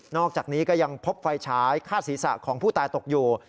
อกจากนี้ก็ยังพบไฟฉายคาดศีรษะของผู้ตายตกอยู่